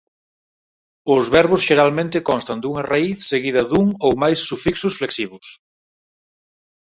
Os verbos xeralmente constan dunha raíz seguida dun ou máis sufixos flexivos.